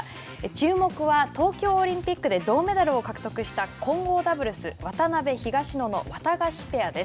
注目は、東京オリンピックで銅メダルを獲得した混合ダブルス渡辺・東野のワタガシペア。